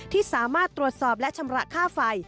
ที่สามารถตรวจสอบและชำระค่าไฟ